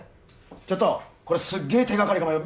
ちょっとこれすっげえ手がかりかもよ